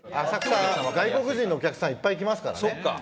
浅草外国人のお客さんいっぱい来ますからね。